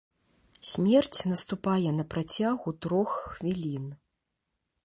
Смерць наступае на працягу трох хвілін.